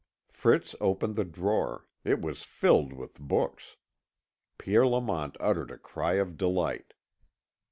Fritz opened the drawer; it was filled with books. Pierre Lamont uttered a cry of delight.